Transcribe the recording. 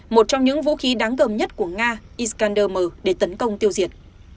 một trong những vũ khí đáng gầm nhất của nga iskander m để tấn công tiêu diệt